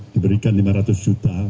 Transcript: diberikan lima ratus juta